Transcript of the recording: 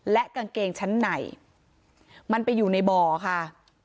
และกางเกงชั้นในมันไปอยู่ในบ่อค่ะ